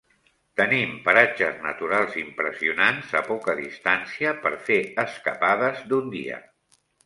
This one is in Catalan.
Tenim paratges naturals impressionants a poca distància per fer escapades d'un dia.